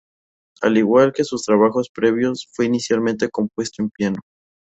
Al igual que sus trabajos previos, fue inicialmente compuesto en piano.